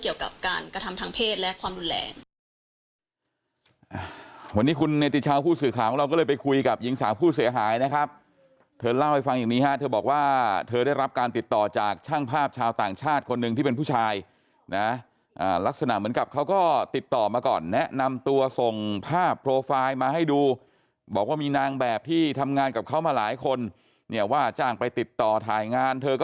เกี่ยวกับการกระทำทางเพศและความรุนแรง